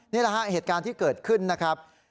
นี่แหละฮะเหตุการณ์ที่เกิดขึ้นนะครับ